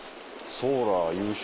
ソーラー優秀。